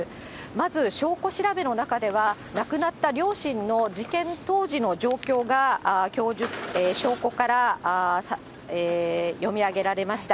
まず証拠調べの中では、亡くなった両親の事件当時の状況が証拠から読み上げられました。